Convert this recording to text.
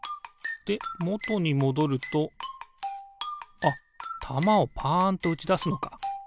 でもとにもどるとあったまをパンとうちだすのか。